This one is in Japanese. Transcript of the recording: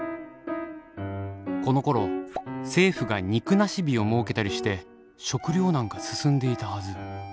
このころ政府が「肉なし日」を設けたりして食糧難が進んでいたはず。